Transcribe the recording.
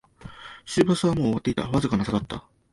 終バスはもう終わっていた、わずかな差だった